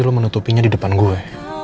lo akan menutupinya di depan gue